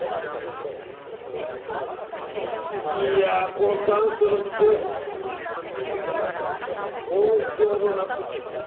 この残暑のきつい東京の夏。